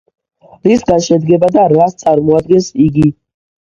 რისგან შედგება და რას წარმოადგენს იგი.